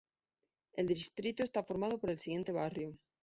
El distrito está formado por el siguiente barrioː